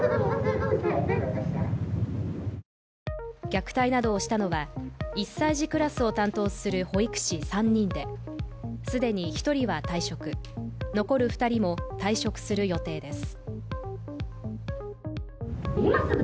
虐待などをしたのは１歳児クラスを担当する保育士３人で既に１人は退職残る２人も退職する予定です。